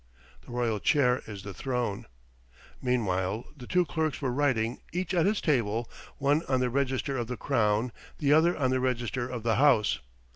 The royal chair is the throne. Meanwhile the two clerks were writing, each at his table one on the register of the Crown, the other on the register of the House.